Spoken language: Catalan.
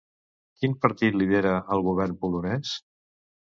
Quin partit lidera el govern polonès?